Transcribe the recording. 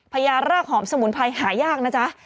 ญารากหอมสมุนไพรหายากนะจ๊ะ